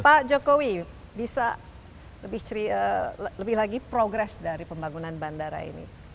pak jokowi bisa lebih lagi progres dari pembangunan bandara ini